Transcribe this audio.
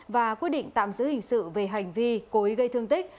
và quyết định tạm giữ hình sự về hành vi cố ý gây thương tích